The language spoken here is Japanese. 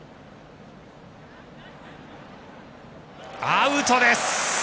アウトです！